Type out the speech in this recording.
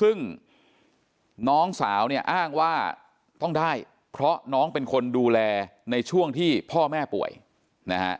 ซึ่งน้องสาวเนี่ยอ้างว่าต้องได้เพราะน้องเป็นคนดูแลในช่วงที่พ่อแม่ป่วยนะฮะ